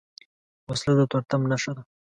وسله د تورتم نښه ده